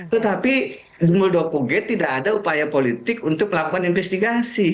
tetapi di muldoko gate tidak ada upaya politik untuk melakukan investigasi